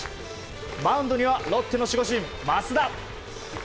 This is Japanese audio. マウンドにはロッテの守護神、益田。